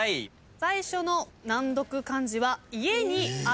最初の難読漢字は家にあるものです。